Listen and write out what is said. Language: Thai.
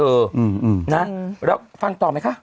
นะแล้วฟังต่อไหมคะ